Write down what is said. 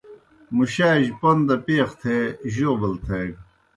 مُشاجیْ پوْن دہ پیخ تھے جوبل تھیگہ۔